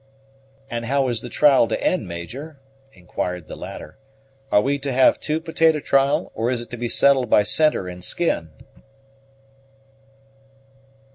"And how is the trial to end, Major?" inquired the latter. "Are we to have the two potato trial, or is it to be settled by centre and skin?"